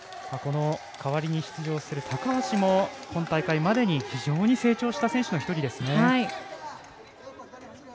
代わりに出場する高橋も今大会までに非常に成長した選手の１人ですね。